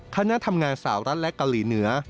คณะทำงานสาวรัฐและเกาหลีเหนือ